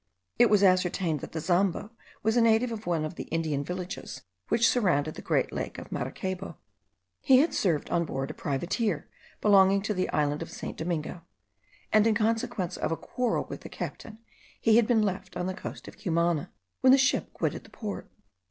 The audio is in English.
It was ascertained that the Zambo was a native of one of the Indian villages which surround the great lake of Maracaybo. He had served on board a privateer belonging to the island of St. Domingo, and in consequence of a quarrel with the captain he had been left on the coast of Cumana, when the ship quitted the port.